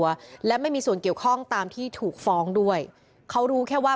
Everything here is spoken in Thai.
และไม่มีส่วนเกี่ยวข้องตามที่ถูกฟ้องด้วยเขารู้แค่ว่า